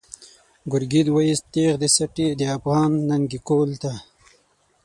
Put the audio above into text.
“گرگین” ویوست تیغ د سټی، د افغان ننگی کهول ته